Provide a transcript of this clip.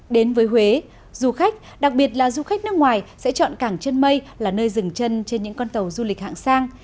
đến với huế du khách đặc biệt là du khách nước ngoài sẽ chọn cảng chân mây là nơi dừng chân trên những con tàu du lịch hạng sang